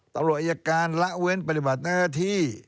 อายการละเว้นปฏิบัติหน้าที่